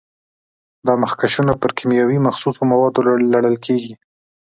دا مخکشونه پر کیمیاوي مخصوصو موادو لړل کېږي.